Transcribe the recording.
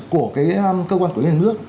của cái cơ quan của người nước